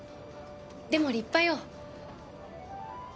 でも立派よ。